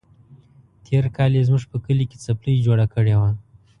تېر کال يې زموږ په کلي کې څپلۍ جوړه کړې وه.